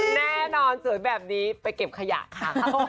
แน่นอนสวยแบบนี้ไปเก็บขยะค่ะ